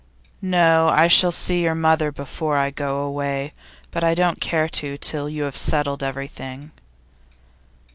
'No. I shall see your mother before I go away, but I don't care to till you have settled everything.